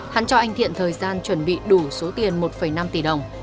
hắn cho anh thiện thời gian chuẩn bị đủ số tiền một năm tỷ đồng